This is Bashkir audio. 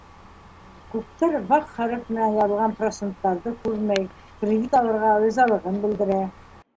Күптәр ваҡ хәреф менән яҙылған проценттарҙы күрмәй, кредит алырға ризалығын белдерә.